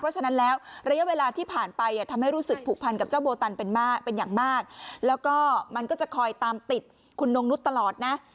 เพราะฉะนั้นแล้วระยะเวลาที่ผ่านไปทำให้รู้สึกผูกพันกับเจ้าโบตันเป็นมากเป็นอย่างมากแล้วก็มันก็จะคอยตามติดคุณนงนุษย์ตลอดนะ